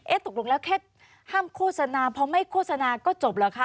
ตกลงแล้วแค่ห้ามโฆษณาเพราะไม่โฆษณาก็จบเหรอคะ